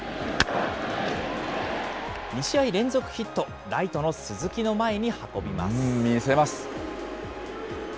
２試合連続ヒット、ライトの鈴木見せます。